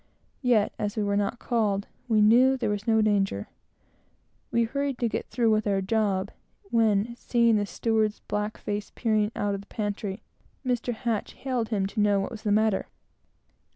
Yet, as we were not called, we knew there was no danger. We hurried to get through with our job, when, seeing the steward's black face peering out of the pantry, Mr. H hailed him, to know what was the matter.